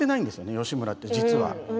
義村って、実は。